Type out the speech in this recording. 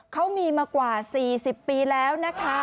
เขามีมากว่า๔๐ปีแล้วนะคะ